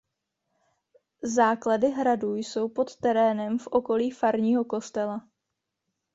Základy hradu jsou pod terénem v okolí farního kostela.